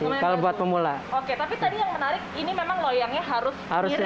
pemula oke tapi tadi yang menarik ini memang loyangnya harus mirip